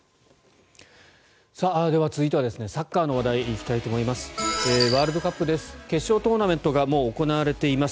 では、続いてはサッカーの話題に行きたいと思います。